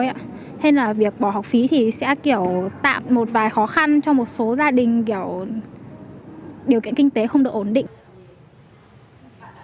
nên là việc bỏ học phí thì sẽ kiểu tạm một vài khó khăn cho một số gia đình kiểu điều kiện kinh tế không được ổn định